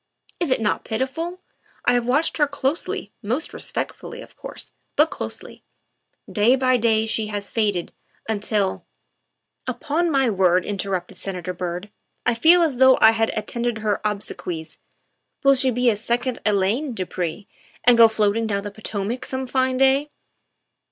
Is it not pitiful? I have watched her closely most respectfully, of course, but closely. Day by day she has faded, until "'* Upon my word," interrupted Senator Byrd, " I feel as though I had attended her obsequies. Will she be a second Elaine, du Pre, and go floating down the Potomac some fine day